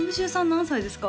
何歳ですか？